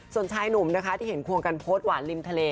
ส่วนชายหนุ่มนะคะที่เห็นควงกันโพสต์หวานริมทะเล